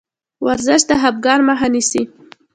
ورزش د خفګان مخه نیسي.